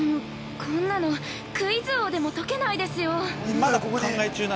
◆こんなの、クイズ王でも解けないですよ。